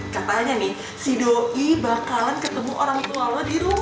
katanya nih si doi bakalan ketemu orang tua lo di rumah